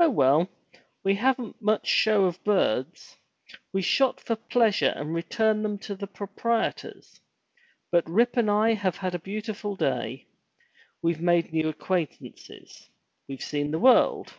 Oh well! we haven't much show of birds. We shot for pleasure and returned them to the proprietors. But Rip and I have had a beautiful day. We've made new acquaintances. We've seen the world.